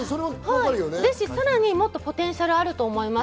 さらにもっとポテンシャルあると思います。